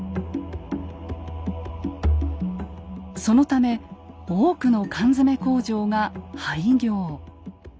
そのため多くの缶詰工場が廃業。